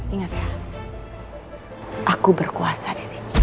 ingat ya aku berkuasa disini